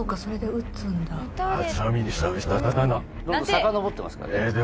さかのぼってますから。